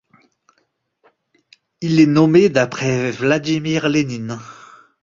Il est nommé d'après Vladimir Lénine.